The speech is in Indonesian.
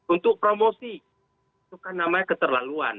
untuk promosi itu kan namanya keterlaluan